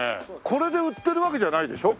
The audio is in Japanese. これで売ってるわけじゃないでしょ？